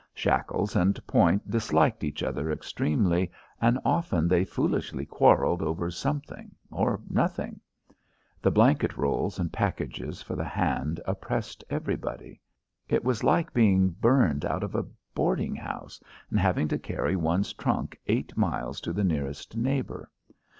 Shackles and Point disliked each other extremely, and often they foolishly quarrelled over something, or nothing. The blanket rolls and packages for the hand oppressed everybody. It was like being burned out of a boarding house, and having to carry one's trunk eight miles to the nearest neighbour.